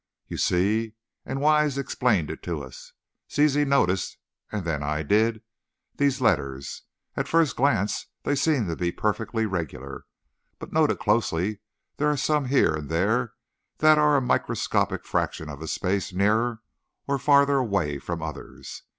"You see," and Wise explained it to us, "Zizi noticed, and then I did, these letters. At first glance they seem to be perfectly regular, but noted closely there are some, here and there, that are a microscopic fraction of space nearer or farther away from others.